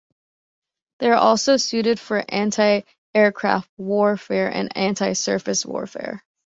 They are also suited for anti-aircraft warfare and anti-surface warfare.